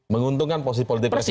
menguntungkan posisi politik presiden